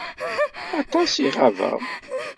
Aṭas i ɣabeɣ.